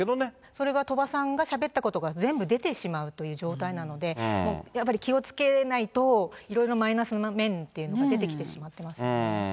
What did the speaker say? それが鳥羽さんがしゃべったことが全部出てしまうという状態なので、もうやっぱり気をつけないと、いろいろマイナスの面って出てきてしまっていますよね。